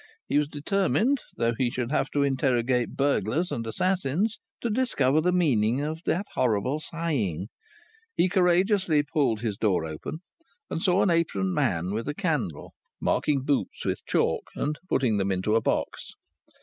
He was determined, though he should have to interrogate burglars and assassins, to discover the meaning of that horrible sighing. He courageously pulled his door open, and saw an aproned man with a candle marking boots with chalk, and putting them into a box.